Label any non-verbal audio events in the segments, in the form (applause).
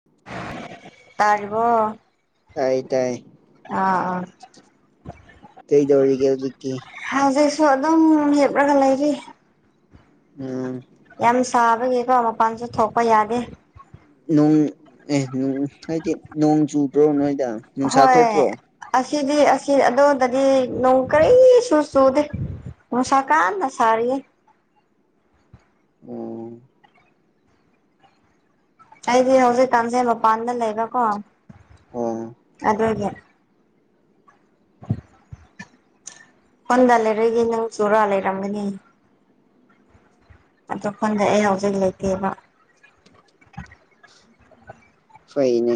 (inaudible) ꯇꯥꯔꯤꯕꯣ ꯇꯥꯏ ꯇꯥꯏ ꯑꯥ ꯑꯥ ꯀꯩꯗꯧꯔꯤꯒꯦ ꯍꯧꯖꯤꯛꯀꯤ ꯍꯧꯖꯤꯛꯁꯨ ꯑꯗꯨꯝ ꯍꯦꯞꯂꯒ ꯂꯩꯔꯤ ꯎꯝ ꯌꯥꯝ ꯁꯥꯕꯒꯤꯀꯣ ꯃꯄꯥꯟꯁꯨ ꯊꯣꯛꯄ ꯌꯥꯗꯦ ꯅꯣꯡ ꯑꯦ ꯍꯥꯏꯗꯤ ꯅꯣꯡ ꯆꯨꯕ꯭ꯔꯣ ꯅꯣꯏꯗ ꯅꯨꯡꯁꯥ ꯍꯣꯏ ꯊꯣꯛꯄ꯭ꯔꯣ ꯑꯁꯤꯗꯤ ꯑꯁꯤ ꯑꯗꯨꯗꯗꯤ ꯅꯣꯡ ꯀꯔꯤꯁꯨ ꯆꯨꯗꯦ ꯅꯨꯡꯁꯥ ꯀꯥꯥꯟꯅ ꯁꯔꯤ ꯎꯝ ꯑꯩꯗꯤ ꯍꯧꯖꯤꯛ ꯀꯥꯡꯖꯩ ꯃꯄꯥꯟꯗ ꯂꯩꯕꯀꯣ ꯑꯣ ꯑꯗꯨꯒꯤ ꯎ ꯍꯣꯟꯗ ꯂꯩꯔꯏꯒꯦ ꯅꯪ ꯆꯨꯔꯥ ꯂꯩꯔꯝꯒꯅꯤ ꯑꯈꯣꯟꯗ ꯑꯩ ꯍꯧꯖꯤꯛ ꯂꯩꯇꯦꯕ ꯐꯩꯅꯦ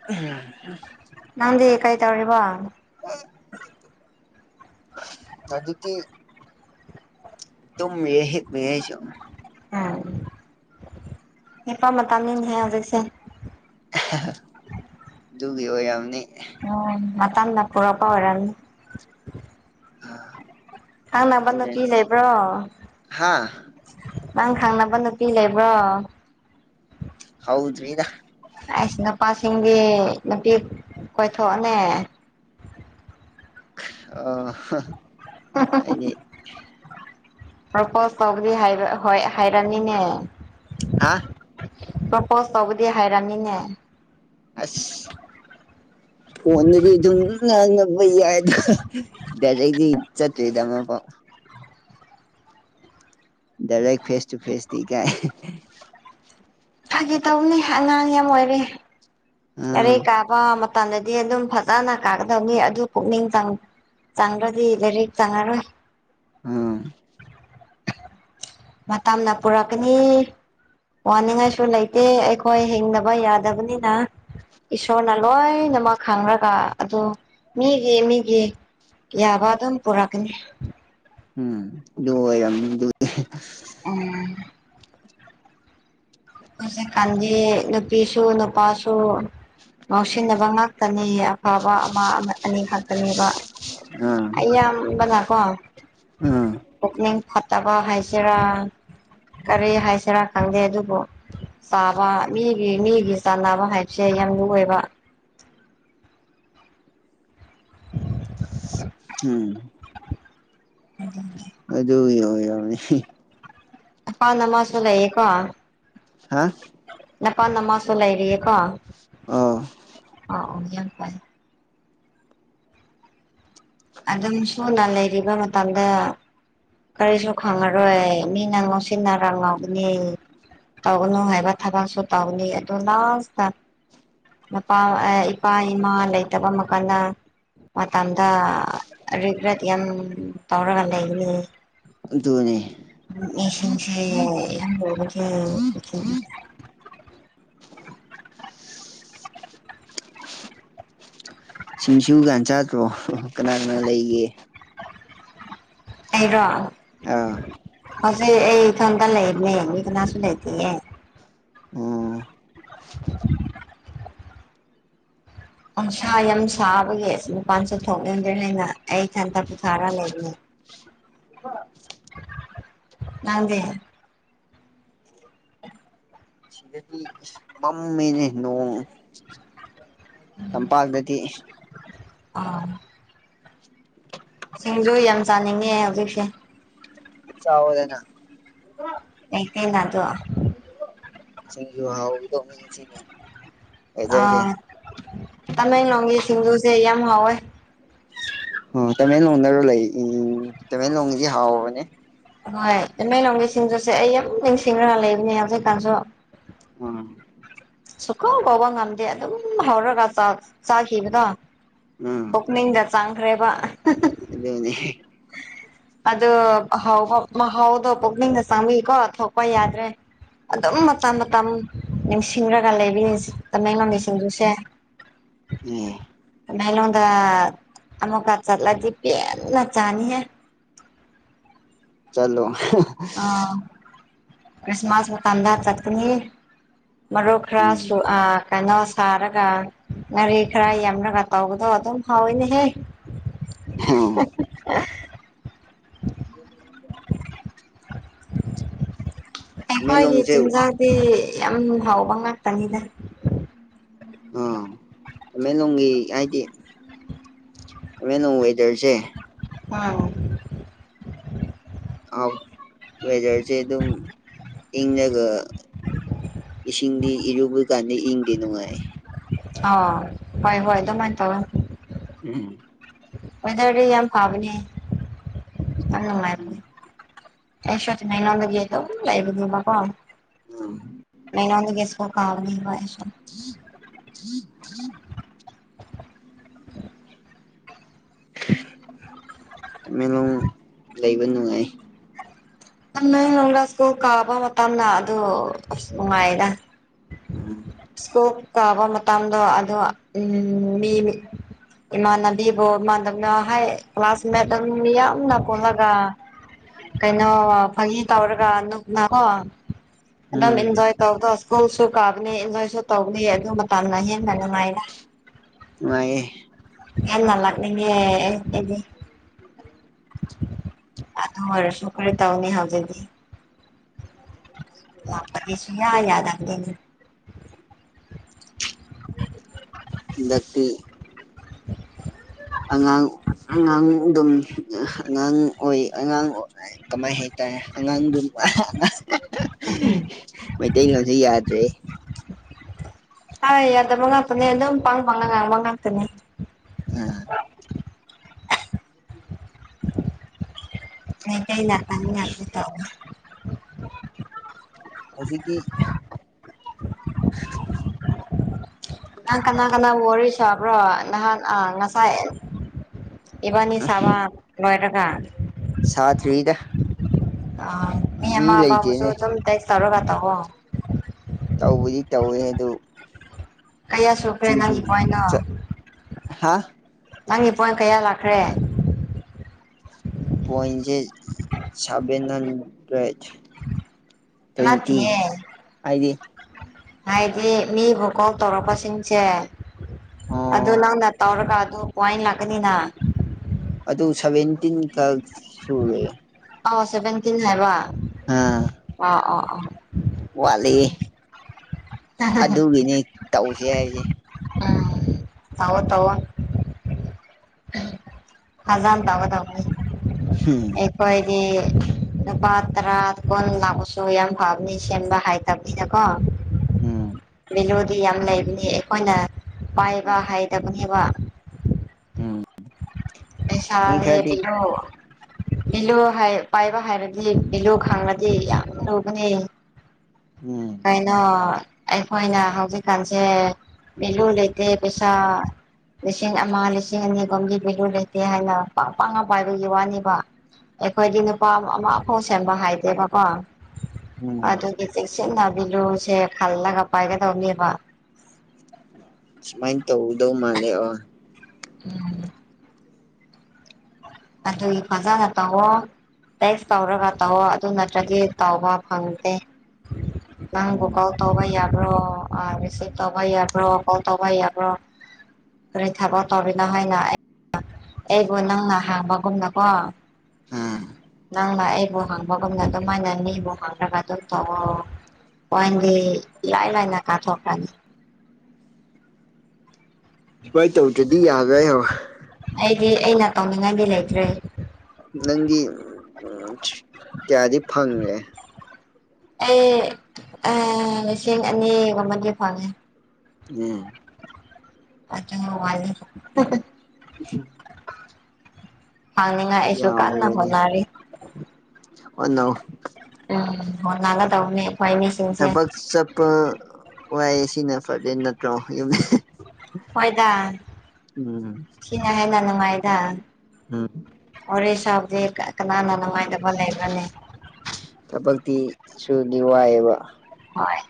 ꯎ ꯅꯪꯗꯤ ꯀꯩ ꯇꯧꯔꯤꯕꯣ ꯑꯗꯨ ꯑꯗꯨꯗꯤ ꯇꯍꯤ ꯃ ꯆ ꯎꯝ ꯏꯄꯥ ꯃꯇꯝꯥꯅꯤꯍꯦ ꯍꯧꯖꯤꯛꯁꯦ ꯑꯗꯨꯒꯤ ꯑꯣꯏ ꯔꯝꯅꯤ ꯎ ꯃꯝꯗ ꯄꯨꯔꯛꯄ ꯑꯣꯏꯔꯝꯅꯤ ꯑ (unintelligible) ꯊꯪꯅꯕ ꯅꯨꯄꯤ ꯂꯩꯕ꯭ꯔꯣ ꯍꯥ ꯅꯪ ꯈꯪꯅꯕ ꯅꯨꯄꯤ ꯂꯩꯕ꯭ꯔꯣ ꯍꯥꯎꯗ꯭ꯔꯤꯗ ꯑꯩꯁ ꯅꯨꯄꯥꯁꯤꯡꯗꯤ ꯅꯨꯄꯤ ꯀꯣꯏꯊꯣꯛꯅꯦ ꯑ (unintelligible) ꯎꯝ ꯎꯝ ꯎꯝ ꯎꯝ ꯄ꯭ꯔꯄꯣꯁ ꯇꯧꯕꯗꯤ ꯍꯥꯏꯔꯝꯃꯥꯃꯤꯅꯦ ꯍꯥ ꯄ꯭ꯔꯣꯄꯣꯁ ꯇꯧꯕꯗꯤ ꯍꯥꯏꯔꯝꯅꯤꯅꯦ ꯑꯁ ꯐꯣꯟꯗꯗꯤ ꯑꯗꯨꯝ ꯉꯥꯡꯅꯕ ꯌꯥꯏꯗ ꯗꯩꯗꯤ ꯆꯠꯇꯣꯏꯦꯗ ꯑꯃ ꯄꯥꯎ ꯗꯏꯔꯦ ꯐꯦꯁ ꯇꯨ ꯐꯦꯁ ꯊꯈꯥꯏ ꯐꯒꯦ ꯇꯧꯕꯅꯦ ꯑꯉꯥꯡ ꯌꯥꯝ ꯑꯣꯏꯔꯦ ꯑꯥ ꯔꯩ ꯀꯥꯕ ꯃꯇꯝꯗꯗꯤ ꯑꯗꯨꯝ ꯐꯖꯅ ꯀꯥꯒꯗꯕꯅꯤ ꯑꯗꯨ ꯄꯨꯛꯅꯤꯡ ꯆꯪ ꯆꯪ꯭ꯔꯗꯤ ꯂꯩꯔꯤ ꯆꯪꯉꯔꯣꯏ ꯑꯥ ꯃꯇꯝꯅ ꯄꯨꯔꯛꯀꯅꯤ ꯋꯥꯅꯤꯡꯉꯥꯏꯁꯨ ꯂꯩꯇꯦ ꯑꯩꯈꯣꯏ ꯍꯤꯡꯗꯕ ꯌꯥꯗꯕꯅꯤꯅ ꯏꯁꯣꯔꯅ ꯂꯣꯏꯅꯃꯛ ꯈꯪꯔꯒ ꯑꯗꯨ ꯃꯤꯒꯤ ꯃꯤꯒꯤ ꯌꯥꯕ ꯑꯗꯨꯝ ꯄꯨꯔꯛꯀꯅꯤ ꯎꯝ ꯑꯗꯨ ꯌꯥꯝ ꯎꯝ ꯀꯥꯟꯗꯦ ꯅꯨꯄꯤꯁꯨ ꯅꯨꯄꯥꯁꯨ ꯉꯥꯎꯁꯤꯟꯅꯕ ꯉꯥꯛꯇꯅꯤ ꯑꯐꯕ ꯑꯃ ꯑꯅꯤ ꯉꯥꯛꯇꯅꯦꯕ ꯑꯥ ꯑ ꯌꯥꯝꯝꯕꯅꯥꯀꯣ ꯑꯥ ꯄꯨꯛꯅꯤꯡ ꯐꯠꯇꯕ ꯍꯥꯏꯖꯔꯥ ꯀꯔꯤ ꯍꯥꯏꯁꯤꯔꯥ ꯈꯪꯗꯦ ꯑꯗꯨꯕꯨ ꯆꯥꯕ ꯃꯤꯒꯤ ꯃꯤꯒꯤ ꯆꯥꯟꯅꯕ ꯍꯥꯏꯕꯁꯦ ꯌꯥꯝ ꯂꯨ ꯑꯣꯏꯕ ꯎꯝ (unintelligible) ꯎ ꯑꯖ ꯍ ꯌꯥꯅꯤ ꯍꯥꯟꯅ ꯃꯥꯁ ꯂꯩꯌꯦꯀꯣ ꯍꯥ ꯅꯄꯥꯜ ꯅꯃꯁꯨ ꯂꯩꯔꯤꯌꯦꯀꯣ ꯑ ꯑꯣ ꯑ ꯌꯥꯝ ꯐꯥꯏꯦ ꯑꯗꯨꯝ ꯁꯨꯅ ꯂꯩꯔꯤꯕ ꯃꯇꯝꯗ ꯀꯔꯤꯁꯨ ꯈꯪꯉꯔꯣꯏ ꯃꯤꯅ ꯉꯣꯁꯤꯟꯅꯔꯝ ꯉꯧꯒꯅꯤ ꯇꯧꯅꯨ ꯍꯥꯏꯕ ꯊꯕꯛꯁꯨ ꯇꯧꯅꯤ ꯑꯗꯨ ꯂꯥꯁꯇ ꯅꯨꯄꯥ ꯏꯄꯥ ꯏꯃꯥ ꯂꯩꯇꯕ ꯃꯈꯜꯅ ꯃꯇꯝꯗ ꯑꯗꯨꯒ꯭ꯔꯠ ꯌꯥꯝ ꯇꯧꯔꯒ ꯂꯩ ꯏ ꯑꯗꯨꯅꯤ ꯎꯁꯤꯁꯤ ꯌꯥꯝ ꯁꯤꯡꯁꯨ ꯀꯥꯟ ꯆꯥꯠꯇ꯭ꯔꯣ ꯀꯅꯥ ꯀꯅꯥ ꯂꯩꯒꯦ ꯑꯩꯔꯣ ꯑꯥ ꯍꯧꯖꯤꯛ ꯑꯩ ꯏꯊꯟꯇ ꯂꯩꯔꯤꯅꯦ ꯃꯤ ꯀꯅꯥꯁꯨ ꯂꯩꯇꯦꯌꯦ ꯑꯣ ꯑꯪꯁꯥ ꯌꯥꯝ ꯁꯥꯕꯒꯤ ꯅꯨꯄꯥꯟꯁꯨ ꯊꯣꯛꯅꯤꯡꯗ꯭ꯔꯦ ꯂꯩꯅ ꯑꯩ ꯏꯊꯟꯊ ꯄꯨꯊꯥꯔꯒ ꯂꯩꯕꯅꯦ (unintelligible) ꯅꯪꯒꯤ (unintelligible) ꯃꯃꯤꯅꯤꯅꯣ ꯇꯝꯄꯥꯑꯒꯗꯗꯤ ꯑ ꯁꯤꯡꯖꯨ ꯌꯥꯝ ꯆꯥꯅꯤꯡꯉꯦ ꯍꯧꯖꯤꯛꯁꯦ ꯆꯥꯎꯥꯎꯗꯅ ꯑꯩꯇꯅ ꯑꯗꯨ ꯆꯖꯨ ꯍꯥꯎꯗꯒ ꯉꯁꯤꯅꯦ ꯑꯥ ꯇꯃꯦꯡꯂꯣꯡꯒꯤ ꯁꯤꯡꯖꯨꯁꯦ ꯌꯥꯝ ꯍꯥꯎꯋꯦ ꯑꯣ ꯇꯃꯦꯡꯂꯣꯡꯗꯒ ꯂꯩ ꯎꯝ ꯇꯃꯦꯡꯂꯣꯡꯗꯤ ꯍꯥꯎꯕꯅꯦ ꯍꯣꯏ ꯏꯃꯃꯦ ꯂꯣꯡꯒꯤ ꯁꯤꯡꯖꯨꯁꯦ ꯑꯩ ꯌꯥꯝ ꯅꯤꯡꯁꯤꯡꯉꯒ ꯂꯩꯕꯅꯦ ꯍꯧꯖꯤꯛꯀꯥꯟꯁꯨ ꯑ ꯁꯨꯀꯥꯎ ꯀꯥꯎ ꯉꯝꯗꯦ ꯑꯗꯨꯝ ꯍꯧꯔꯒ ꯆꯥꯈꯤꯕꯗꯣ ꯑ ꯑꯣꯛꯅꯤꯡꯗ ꯆꯥꯡꯈ꯭ꯔꯦꯕ ꯖꯣꯅꯤ ꯑꯗ ꯍ ꯍꯥꯎꯗꯣ ꯄꯨꯒꯅꯤꯡꯗ ꯁꯃ ꯀꯣ ꯊꯄ ꯌꯥꯗ꯭ꯔꯦ ꯑꯗꯨꯝ ꯃꯇꯝ ꯃꯇꯝ ꯅꯤꯡꯁꯤꯡꯔꯒ ꯂꯩꯕꯤꯔꯤ ꯇꯃꯦꯡꯡꯂꯕꯤꯁꯤꯡꯗꯨꯁꯦ ꯑꯣ ꯃꯦꯂꯣꯗ ꯑꯃꯃꯨ ꯀꯥ ꯆꯠꯂꯗꯤ ꯄꯦꯟꯅ ꯆꯥꯅꯤꯍꯦ ꯆꯂꯣ ꯑ ꯀ꯭ꯔꯤꯁꯃꯥꯁ ꯃ ꯀꯥꯟꯗꯥ ꯆꯠꯀꯅꯤ ꯃꯔꯨꯞ ꯎꯝ ꯈꯔꯁꯨ ꯑ ꯀꯩꯅꯣ ꯁꯥꯔꯒ ꯉꯥꯔꯤ ꯈꯔ ꯌꯝꯂꯒ ꯇꯧꯕꯗꯣ ꯑꯗꯨꯝ ꯍꯧꯋꯤꯅꯦꯍꯦ (inaudible) (inaudible) ꯑꯩꯈꯣꯏꯒꯤ ꯇꯃꯦꯡꯂꯣꯡꯁꯦ ꯆꯤꯟꯖꯥꯛꯗꯤ ꯌꯥꯝ ꯍꯥꯎꯕ ꯉꯇꯅꯤꯗ ꯑꯣꯃꯦꯂꯣꯡꯒꯤ ꯍꯥꯏꯗꯤ ꯃ ꯅ ꯋꯥꯦꯇꯔꯁꯦ ꯎꯝ ꯋꯦꯖꯔ ꯑꯗꯨꯝ ꯏꯪꯉꯒ ꯏꯁꯤꯡꯗꯤ ꯏꯔꯨꯕ ꯀꯥꯟꯗ ꯏꯪꯗꯦ ꯅꯨꯡꯉꯥꯏ ꯑ ꯍꯣꯏ ꯍꯣꯏ ꯑꯗꯨꯃꯥꯏꯅ ꯇꯧꯋꯦ ꯎꯝ ꯋꯦꯗꯔꯗꯤ ꯌꯥꯝ ꯐꯕꯅꯦ ꯌꯥꯝ ꯅꯨꯡꯉꯥꯏꯔꯅꯦ ꯎꯝ ꯑꯦꯁꯦ ꯃꯅꯗꯒꯤ ꯇ ꯂꯥꯏꯕ ꯉꯕꯀꯣ ꯎ ꯅꯩꯅꯣꯟꯒꯦꯁꯀꯣ ꯀꯥꯕꯅꯤ ꯁ (inaudible) (inaudible) ꯇꯃꯦꯡꯂꯣꯡ ꯂꯩꯕ ꯅꯨꯡꯉꯥꯏ ꯅꯪꯒ ꯁ꯭ꯀꯨꯜ ꯀꯥꯕ ꯃꯇꯝꯗ ꯑꯗꯨ ꯑꯁ ꯅꯨꯡꯉꯥꯏꯗ ꯎꯝ ꯏꯁꯀꯣꯞ ꯀꯥꯕ ꯃꯇꯝꯗꯣ ꯑꯗꯣ ꯎꯝ ꯃꯤ ꯏꯃꯥꯟꯅꯕꯤꯕꯨ ꯃꯥꯗꯧꯅ ꯍꯥꯏ ꯀ꯭ꯂꯥꯁꯃꯦꯠꯇꯧꯅ ꯃꯤꯌꯥꯝ (unintelligible) ꯀꯩꯅꯣ ꯐꯥꯒꯤ ꯇꯧ ꯎꯝ (unintelligible) ꯇꯧꯕꯗꫭ ꯏꯁ꯭ꯀꯨꯜꯁꯨ ꯀꯥꯕꯅꯤ ꯏꯟꯖꯣꯏꯁꯨ ꯇꯧꯕꯅꯤ ꯑꯗꯨ ꯃꯇꯝꯅ ꯍꯦꯟꯅ ꯅꯨꯡꯉꯥꯏꯔꯦ ꯅꯨꯡꯉꯥꯏꯌꯦ ꯌꯥꯝꯅ ꯂꯥꯛꯅꯤꯡꯉꯦ ꯑꯩ ꯑꯩꯗꯤ ꯑꯗꯨ ꯑꫭꯏꯔꯁꯨ ꯈꯔ ꯇꯥꯎꯅꯤ ꯍꯧꯖꯤꯛꯇꯤ ꯂꯄꯗꯤꯁꯨ ꯌꯥ ꯌꯥꯗ ꯑꯗꯅꯤ (inaudible) ꯍꯟꯗꯛꯇꯤ (inaudible) ꯑꯉꯥꯡ ꯑꯉꯥꯡ ꯑꯗꯨꯝ ꯑꯉꯥꯡ ꯑꯣꯏ ꯑꯉꯥꯡ ꯀꯃꯥꯏ ꯍꯥꯏꯇꯥꯔꯦ ꯑꯉꯥꯡꯗꯣ ꯑꯉꯥꯡ ꯃꯩꯇꯩꯂꯣꯟꯁꯦ ꯌꯥꯗ꯭ꯔꯦ ꯑ ꯑ ꯑꯗꯨ ꯃ ꯉꯥꯛꯇꯅꯦꯅꯤ ꯑꯗꯨꯝ ꯄꯥꯡ ꯐꯉꯥꯡ ꯉꯥꯛꯇꯅꯦ ꯎ (unintelligible) ꯍꯧꯖꯤꯛꯀꯤ ꯅꯪ ꯀꯅꯥ ꯀꯅꯥꯕꯨ ꯋꯥꯔꯤ ꯁꯥꯕ꯭ꯔꯣ ꯅꯍꯥꯟ ꯑ ꯉꯁꯥꯏ ꯏꯕꯥꯅꯤ ꯁꯥꯕ ꯂꫭꯏꯔꯒ ꯁꯥꯠ ꯇ꯭ꯔꯤꯗ ꯑ ꯃꯤ ꯑꯃꯕꯥꯎꯕꯨꯁꯨ ꯂꯩꯇꯦꯅꯦ ꯑꯗꯨꯝ ꯇꯦꯛꯁ ꯇꯧꯔꯒ ꯇꯧꯋꫭ ꯇꯧꯕꯗꯤ ꯇꯧꯋꯦ ꯑꯗꯨ ꯀꯌꯥ ꯁꯨꯈ꯭ꯔꯦ ꯅꯪꯒꯤ (unintelligible) ꯍꯥꯥ ꯅꯪꯒꯤ ꯄꯣꯏꯟ ꯀꯌꯥ ꯂꯥꯛꯈ꯭ꯔꯦ ꯄꯣꯏꯟꯁꯦ ꯁꯕꯦꯟ ꯍꯟꯗ꯭ꯔꯦꯠ ꯇ꯭ꯋꯦꯟꯇꯤ ꯅꯠꯇꯤꯌꯦ ꯍꯥꯏꯗꯤ ꯍꯥꯏꯗꯤ ꯃꯤꯕꯨ ꯀꯣꯜ ꯇꯧꯔꯛꯄꯁꯤꯡꯁꯦ ꯑꯗꯨ ꯑꯣ ꯅꯪꯅ ꯇꯧꯔꯒ ꯑꯗꯨ ꯄꯣꯏꯟ ꯂꯥꯛꯀꯅꯤꯅ ꯑꯗꯨ ꯁꯚꯦꯟꯇꯤꯟꯈꯛ ꯁꯨꯔꯦ ꯑꯣ ꯁꯦꯚꯦꯟꯇꯤꯟ ꯍꯥꯏꯕ ꯑꯥ ꯑꫭ ꯑ ꯑꫭ ꯋꯥꯠꯂꯤ ꯑꯗꯨꯒꯤꯅꯤ ꯇꯧꯁꯦ ꯍꯥꯏꯁꯦ ꯇꯥꯎꯋꫭ ꯇꯥꯎꯋꫭ ꯐꯖꯅ ꯇꯥꯎꯒꯗꯧꯅꯤ (inaudible) ꯑꯩꯈꫭꯏꯗꯤ ꯂꯨꯄꯥ ꯇꯔꯥ ꯀꯨꯟ ꯂꯥꯛꯁꯨ ꯌꯥꯝ ꯐꯕꯅꯤ ꯁꯦꯝꯕ ꯍꯥꯏꯇꯕꯅꯤꯅꯀꯣ ꯎꯝ ꯚꯦꯂꯨꯗꯤ ꯌꯥꯝ ꯂꯩꯕꯅꯦ ꯑꯩꯈꯣꯏꯅ ꯄꯥꯏꯕ ꯍꯩꯇꯕꯅꯦꯕ ꯎꯝ ꯄꯩꯁꯥ ꯃꯤ ꯈꯔꯗꯤ ꯂꯦꯞꯄꯤꯔꫭ ꯚꯦꯂꯨ ꯍꯥꯎ ꯄꯥꯏꯕ ꯍꯥꯏꯔꯗꯤ ꯚꯦꯂꯨ ꯈꯪꯉꯗꯤ ꯌꯥꯝ ꯂꯨꯒꯅꯤ ꯎꯝ ꯀꯩꯅꫭ ꯑꯩꯈꯣꯏꯅ ꯍꯧꯖꯤꯛꯀꯥꯟꯁꯦ ꯕꯦꯂꯨ ꯂꯩꯇꯦ ꯄꯩꯁꯥ ꯂꯤꯁꯤꯡ ꯑꯃ ꯂꯤꯁꯤꯡ ꯑꯅꯤꯒꯣꯝꯒꯤ ꯚꯦꯂꯨ ꯂꯩꯇꯦ ꯍꯥꯏꯅ ꯄꯥꯛ ꯄꯥꯛꯅ ꯄꯥꯏꯕꯒꯤ ꯋꯥꯅꯦꯕ ꯑꯩꯈꯣꯏꯗꯤ ꯅꯨꯄꯥ ꯑꯃꯐꯥꯎ ꯁꯦꯝꯕ ꯍꯥꯏꯗꯦꯕꯀꯣ ꯎꯝ ꯑꯗꯨꯗꯤ ꯆꯦꯛꯁꯤꯟ ꯅꯕꯤꯗꯨꯁꯦ ꯈꯜꯂꯒ ꯄꯥꯏꯒꯗꯧꯅꯦꯕ ꯁꯨꯃꯥꯏ ꯇꯧꯗꯧ ꯃꯥꯜꯂꯦ ꯑ ꯎꯝ (unintelligible) ꯑꯗꯨꯒꯤ ꯐꯖꯅ ꯇꯧꯋꯣ ꯇꯦꯛꯁ ꯇꯧꯔꯒ ꯇꯧꯑꯣ ꯑꯗꯨ ꯅꯠꯇ꯭ꯔꯗꯤ ꯇꯧꯕ ꯐꯪꯗꯦ ꯅꯪꯕꯨ ꯎꯝ ꯀꫭ‌ꯜ ꯇꯧꯕ ꯌꯥꯕ꯭ꯔꯣ ꯑ ꯔꯤꯁꯞ ꯇꯧꯕ ꯌꯥꯕ꯭ꯔꯣ ꯀꫭꯜ ꯇꯧꯕ ꯌꯥꯕ꯭ꯔꯣꯔꯤ ꯈꯨꯔꯦꯟ ꯊꯕꯛ ꯇꯧꯔꯤꯅꫭ ꯍꯥꯏꯅ ꯑꯩꯕꯨ ꯅꯪꯅ ꯍꯥꯡꯕꯒꯨꯝꯅꯀꯣ ꯑꯥ ꯅꯪꯅ ꯑꯩꯕꯨ ꯍꯥꯡ ꯃꯥꯒꯨꯝꯅ ꯑꯗꯨꯃꯥꯏꯅ ꯃꯤꯕꯨ ꯍꯪꯔꯒ ꯑꯗꯨꯝ ꯇꯧꯋꫭ ꯄꫭꯏꯟꯗꯤ ꯏꯔꯥꯏ ꯂꯥꯏꯅ ꯀꯥꯊꯣꯛꯈ꯭ꯔꯅꯤ ꯁꯤꯃꯥꯏ ꯇꯧꯗ꯭ꯔꯗꯤ ꯌꯥꯗ꯭ꯔꯦꯕ ꯑꯩꯗꯤ ꯑꯩꯅ ꯇꯧꯅꯤꯡꯉꯥꯏꯗꯤ ꯂꯩꯇ꯭ꯔꯦ ꯅꯪꯗꯤ ꯀꯌꯥꯗꯤ ꯐꯪꯒ꯭ꯔꯦ ꯑꯩ ꯑ ꯂꯤꯁꯤꯡ ꯑꯅꯤꯒꯨꯝꯕꯗꯤ ꯐꯪꯉꯦ (unintelligible) (unintelligible) (unintelligible) ꯐꯪꯅꯤꯡꯉꯥꯏ ꯑꯩꯁꯨ ꯀꯟꯅ ꯌꯥꯃꯦꯅꯦ ꯍꯣꯠꯅꯔꯤ ꯍꫭꯠꯅꯧ ꯎꯝ ꯍꫭꯠꯅꯒꯗꯧꯕꯅꯤ ꯊꯕꯛ ꯆꯠꯄ ꯋꯥꯏꯌꯦ ꯁꯤꯅ ꯐꯗꯦ ꯅꯠꯇ꯭ꯔꯣ ꯌꯨꯝ ꯍꯣꯏꯗ ꯎꯝ ꯁꯤꯅ ꯍꯦꯟꯅ ꯅꯨꯡꯉꯥꯏꯗ ꯎꯝ ꯋꯥꯔꯤ ꯁꯥꯕꯗꯤ ꯀꯅꯥꯅ ꯅꯨꯡꯉꯥꯏꯇꯕ ꯂꯩꯕ꯭ꯔꯅꯦ ꯊꯕꯛꯇꯤ ꯁꯨꯅꯤ ꯋꯥꯏꯌꯦꯕ ꯍꯣꯏ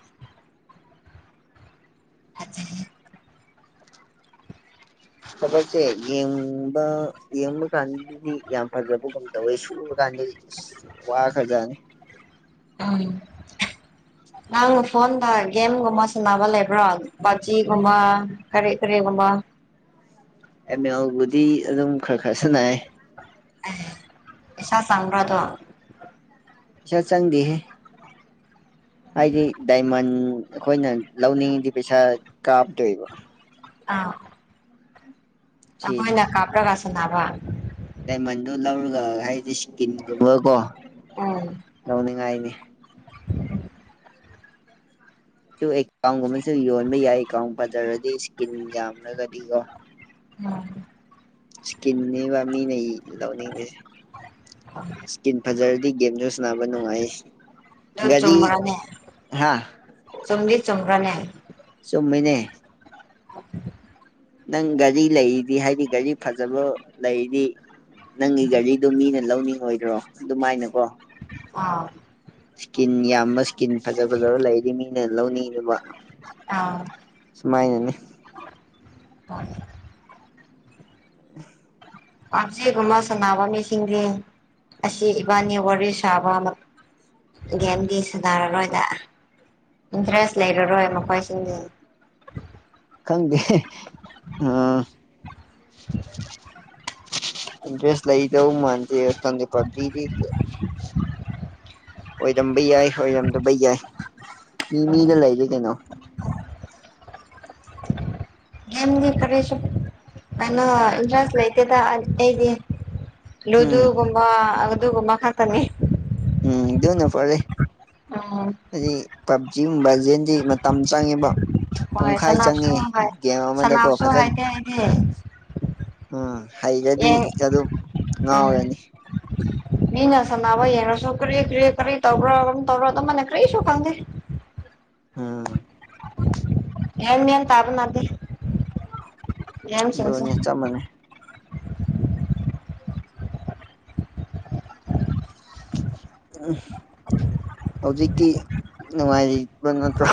(inaudible) (unintelligible) ꯊꯕꯛꯁꯦ ꯌꯦꯡꯕ ꯌꯦꯡꯕꯀꯥꯟ ꯌꯥꯝ ꯐꯖꯕꯒꯨꯝ ꯇꯧꯋꯦ ꯁꯨꯔꯀꯥꯟꯗꯤ ꯋꯥ ꯈ꯭ꯔꯖꯥꯅꯤ ꯎꯝ ꯅꯪ ꯐꯣꯟꯗ ꯒꯦꯝꯒꯨꯝꯕ ꯁꯥꯟꯅꯕ ꯂꯩꯕ꯭ꯔꯣ ꯄꯞꯖꯤꯒꯨꯝꯕ ꯀꯔꯤ ꯀꯔꯤꯒꯨꯝꯕ ꯑꯦꯃꯦꯜꯕꯨꯗꯤ ꯑꯗꯨꯝ ꯈꯔ ꯈꯔ ꯁꯟꯅꯩ ꯄꯩꯁꯥ ꯆꯪꯕ꯭ꯔꯗꯨ ꯁꯦꯜ ꯆꯪꯗꯦꯍꯦ ꯑꯩꯗꯤ ꯗꯥꯏꯃꯟ ꯑꯩꯈꯣꯏꯅ ꯂꯧꯅꯤꯡꯉꯗꯤ ꯄꯩꯁꯥ ꯀꯥꯞꯇꯣꯏꯕ ꯑꯧ ꯑꯈꯣꯏꯅ ꯁꯤꯅꯤ ꯀꯥꯞ꯭ꯄꯔ ꯔꯁꯟꯇꯥꯕ ꯗꯥꯏꯃꯟꯗꯣ ꯂꯧꯔꯒ ꯍꯥꯏꯗꯤ ꯏꯁꯀꯤꯟꯒꯨꯝꯕꯀꯣ ꯎꯝ ꯂꯧꯅꯤꯡꯉꯥꯏꯅꯤ ꯁꯨꯝ ꯑꯦꯀꯥꯎꯟꯒꯨꯝꯕꯁꯨ ꯌꯣꯟꯕ ꯌꯥꯏ ꯑꯦꯀꯥꯎꯟ ꯐꯖꯔꯗꯤ ꯏꯁꯀꯤꯟ ꯌꯥꯝꯔꯒꯗꯤ ꯀꯣ ꯎꯝ ꯏꯁꯀꯤꯟꯅꯦꯕ ꯃꯤꯅ ꯂꯧꯅꯤꯡꯉꯤꯁꯦ ꯏꯁꯀꯤꯟ ꯐꯖꯔꯗꯤ ꯒꯦꯝꯖꯨ ꯁꯥꯟꯅꯕ ꯅꯨꯡꯉꯥꯏ ꯑꯗꯨ ꯒꯥꯔꯤ ꯆꯨꯝꯕꯔꯅꯦ ꯍꯥ ꯆꯨꯝꯗꯤ ꯆꯨꯝꯕꯔꯅꯦ ꯆꯨꯝꯃꯦꯅꯦ ꯑꯣ (unintelligible) ꯅꯪ ꯒꯥꯔꯤ ꯂꯩꯌꯦꯗꯤ ꯍꯥꯏꯗꯤ ꯒꯥꯔꯤ ꯐꯖꯕ ꯂꯩꯔꯗꯤ ꯅꯪꯒꯤ ꯒꯥꯔꯤ ꯑꯗꯨꯝ ꯃꯤꯅ ꯂꯧꯅꯤꯡꯉꯣꯏꯗ꯭ꯔꯣ ꯑꯗꯨꯃꯥꯏꯅꯀꯣ ꯑꯥ ꯏꯁꯀꯤꯟ ꯌꯥꯝꯕ ꯏꯁꯀꯤꯟ ꯐꯖ ꯐꯖꯕ ꯂꯩꯗꯤ ꯃꯤꯅ ꯂꯧꯅꯤꯡꯉꯦꯕ ꯑꯥ (unintelligible) ꯄꯥꯞꯖꯦꯒꯨꯝꯕ ꯁꯥꯟꯅꯕ ꯃꯤꯁꯤꯡꯗꯤ ꯑꯁꯤ ꯏꯕꯥꯅꯤ ꯋꯥꯔꯤ ꯁꯥꯕ ꯒꯦꯝꯒꯤ ꯁꯦꯗꯥꯔꯔꯣꯏꯗ ꯏꯟꯇꯔꯦꯁ ꯂꯩꯔꯔꯣꯏ ꯃꯈꯣꯏꯁꯤꯡ ꯈꯪꯗꯦ ꯑꯥ ꯏꯟꯇꯔꯦꯁ ꯂꯩꯗꯧ ꯃꯟ ꯀꯗ ꯄꯕꯤꯕꯤꯗꯤ ꯑꯣꯏꯔꯝꯕ ꯌꯥꯏ ꯑꯣꯏꯔꯝꯗꯕ ꯌꯥꯏ ꯃꯤ ꯃꯤꯗ ꯂꯩꯒꯦ ꯀꯩꯅꯣ ꯌꯥꯝꯦꯝꯗꯤ ꯈꯔꯤꯁꯨ ꯑꯩꯅ ꯏꯟꯇꯔꯦꯁ ꯂꯩꯇꯗꯗꯤ ꯎꯝ ꯂꯨꯗꯨꯒꯨꯝꯕ ꯑꯗꯨꯒꯨꯝꯕ ꯈꯠꯇꯅꯤ ꯎꯝꯗꯨꯅ ꯐꯔꯦ ꯎꯝ ꯄꯞꯖꯤ ꯉꯨꯝꯕꯖꯤꯗꯤ ꯃꯇꯝ ꯆꯪꯉꯦꯕ ꯍꯣꯏ ꯄꯨꯡꯈꯥꯏ ꯁꯅꯥꯞꯁꯨ ꯆꯪꯉꯦ ꯍꯣꯏ ꯒꯦꯝ ꯑꯃꯗꯀꯣ ꯁꯅꯥꯞꯁꯨ ꯐꯖꯅ (unintelligible) ꯎꯝ ꯍꯩꯔꯗꯤ ꯌꯦꯡ ꯑꯗꯨꯝ ꯎꯝ ꯉꯥꯎꯔꯅꯤ ꯃꯤꯅ ꯁꯥꯟꯅꯕ ꯌꯦꯡꯉꯁꯨ ꯀꯔꯤ ꯀꯔꯤ ꯀꯔꯤ ꯇꯧꯕꯔꯣ (unintelligible) ꯇꯧꯔꯣ ꯃꯅꯦ ꯀꯔꯤ ꯁ ꯈꯪꯗꯦ ꯎꯝ ꯑꯦꯃꯤꯟ ꯇꯥꯕ ꯅꯗꯤ ꯑꯗꯨꯅꯦ ꯆꯞꯃꯅꯦ ꯎꯝ ꯍꯧꯖꯤꯛꯇꯤ ꯅꯨꯡꯉꯥꯏꯔꯤꯕ ꯅꯠꯇ꯭ꯔꯥ